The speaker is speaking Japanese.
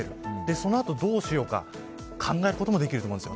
そのあとどうしようかと考えることもできると思うんです。